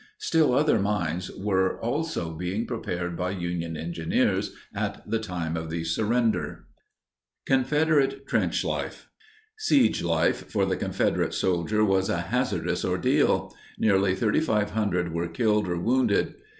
Still other mines were also being prepared by Union engineers at the time of the surrender. CONFEDERATE TRENCH LIFE. Siege life for the Confederate soldier was a hazardous ordeal; nearly 3,500 were killed or wounded.